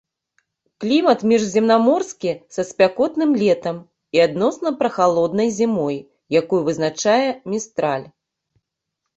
Клімат міжземнаморскі са спякотным летам і адносна прахалоднай зімой, якую вызначае містраль.